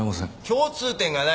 共通点がない。